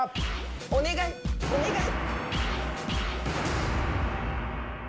お願いお願い！